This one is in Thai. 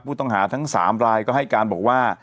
ผู้ต้องหาทั้ง๓รายก็ให้การบอกว่า